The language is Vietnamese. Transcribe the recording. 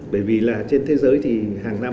bởi vì là trên thế giới thì hàng năm